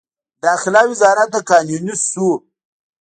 داخله وزارت د قانوني شو.